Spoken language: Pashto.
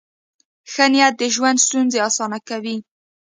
ښه نیت د ژوند ستونزې اسانه کوي.